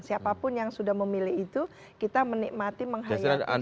siapapun yang sudah memilih itu kita menikmati menghayati